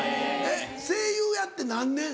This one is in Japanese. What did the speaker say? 声優やって何年？